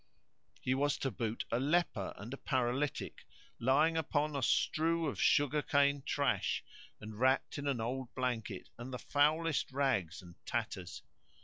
He was to boot a leper and a paralytic, lying upon a strew of sugar cane trash and wrapped in an old blanket and the foulest rags and tatters.